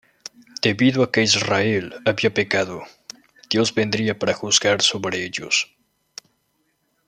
Debido a que Israel había pecado, Dios vendría para juzgar sobre ellos.